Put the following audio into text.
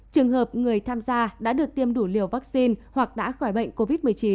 trường hợp người tham gia đã được tiêm đủ liều vaccine hoặc đã khỏi bệnh covid một mươi chín